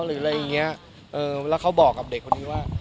หรืออะไรอย่างเงี้ยเออแล้วเขาบอกกับเด็กคนนี้ว่า